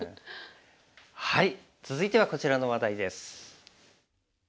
はい続いてはこちらの話題です。